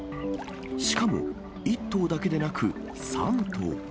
しかも１頭だけでなく、３頭。